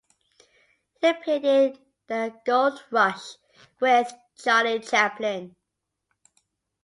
He appeared in "The Gold Rush" with Charlie Chaplin.